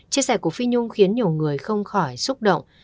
chia sẻ của phi nhung khiến nhiều người không khỏi xúc động